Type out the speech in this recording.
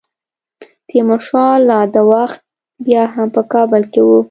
تیمورشاه لا دا وخت بیا هم په کابل کې وو.